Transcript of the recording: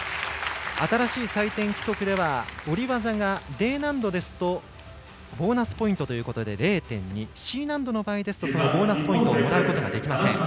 新しい採点規則では下り技がＤ難度ですとボーナスポイントということで０．２、Ｃ難度の場合ですとそのボーナスポイントをもらうことができません。